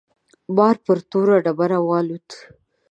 مار پر توره ډبره والوت.